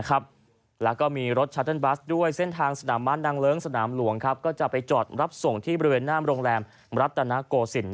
ยูมีรถชัตเติ้ลบัสด้วยเส้นทางที่สนามมัดนางเลื้องสนามหลวงจอดรับส่งที่บริเวณหน้าโรงแรมรัตนโกสิน